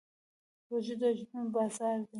روژه د اجرونو بازار دی.